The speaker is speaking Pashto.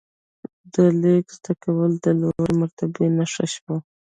د لیک زده کول د لوړې مرتبې نښه شوه.